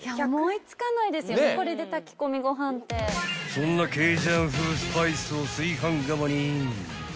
［そんなケイジャン風スパイスを炊飯釜にイン］